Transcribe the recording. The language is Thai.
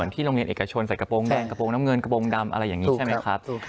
ที่โรงเรียนเอกชนใส่กระโปรงแดงกระโปรงน้ำเงินกระโปรงดำอะไรอย่างนี้ใช่ไหมครับ